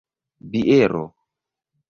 biero